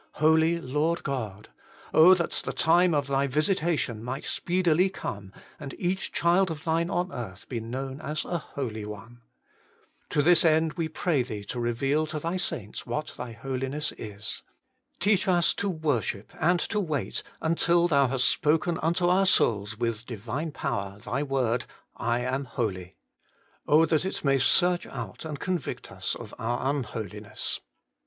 Holy Lord God ! oh that the time of Thy visitation might speedily come, and each child of Thine on earth be known as a holy one ! To this end we pray Thee to reveal to Thy saints what Thy Holiness is. Teach us to worship and to wait until Thou hast spoken unto our souls with Divine Power Thy word, ' I am holy.' Oh that it may search out and convict us of our unholiness